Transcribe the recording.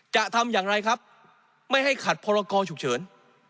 จะทำอย่างไรครับไม่ให้ขัดพรกรฉุกเฉิน